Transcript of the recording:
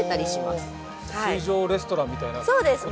水上レストランみたいなことですね。